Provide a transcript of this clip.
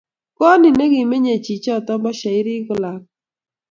koot nie nekimenyei chichoto bo shairik ko lakwa